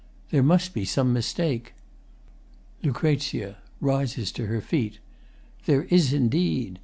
] There must be some mistake. LUC. [Rises to her feet.] There is indeed!